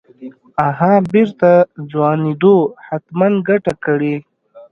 اها بېرته ځوانېدو حتمن ګته کړې.